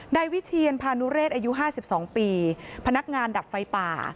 นายวิเชียนพานุเรศอายุ๕๒ปีพนักงานดับไฟป่า